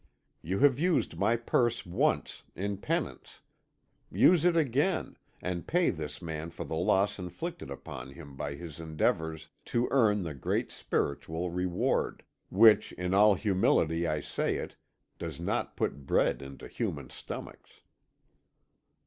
You have used my purse once, in penance; use it again, and pay this man for the loss inflicted upon him by his endeavours to earn the great spiritual reward which, in all humility I say it, does not put bread into human stomachs."